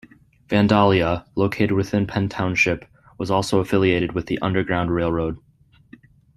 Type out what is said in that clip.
Vandalia, located within Penn Township, also was affiliated with the Underground Railroad.